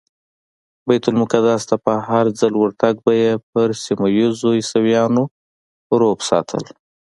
بیت المقدس ته په هرځل ورتګ به یې پر سیمه ایزو عیسویانو رعب ساتل.